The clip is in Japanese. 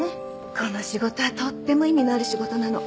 この仕事はとっても意味のある仕事なの。